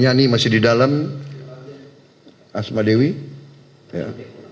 pak tiflansen dipanggil dan sebagainya